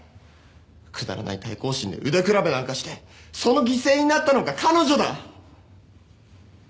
くだらない対抗心で腕比べなんかしてその犠牲になったのが彼女だ！